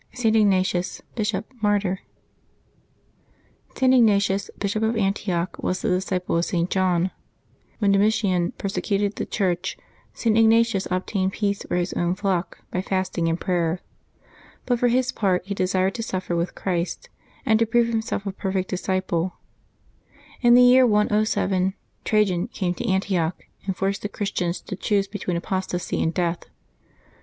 ST. IGNATIUS, Bishop, Martyr. [T. Ignatius, Bishop of Antioch, was the disciple of St. John. When Domitian persecuted the Church, St. Ignatius obtained peace for his own flock by fasting and prayer. But for his part he desired to suffer with Christ, and to prove himself a perfect disciple. In the year 107, Trajan came to Antioch, and forced the Chris tians to choose between apostasy and death.